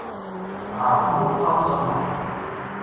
Ɛeṛḍem ur d-ttaḍsam ara.